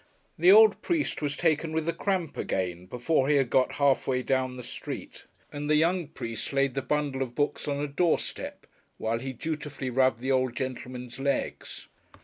The old priest was taken with the cramp again, before he had got half way down the street; and the young priest laid the bundle of books on a door step, while he dutifully rubbed the old gentleman's legs.